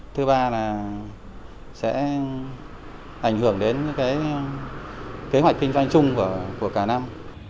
thứ ba là sẽ ảnh hưởng đến kế hoạch kinh doanh chung của cả năm